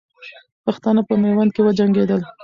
پښتانه په میوند کې وجنګېدل.